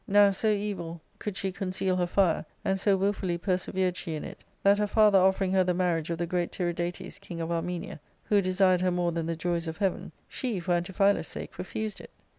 Now so evil could she conceal her fire, and so wilfully persevered she in it, that her father offering her the marriage of the great Tiridates, king of Armenia, who desired her more than the joys of heaven, she, for Antiphilus' sake, refused it.